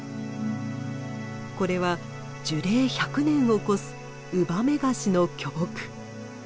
これは樹齢１００年を超すウバメガシの巨木。